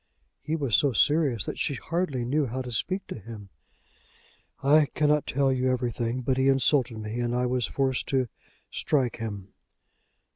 He was so serious that she hardly knew how to speak to him. "I cannot tell you everything; but he insulted me, and I was forced to strike him."